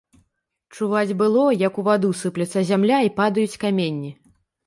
Чуваць было, як у ваду сыплецца зямля і падаюць каменні.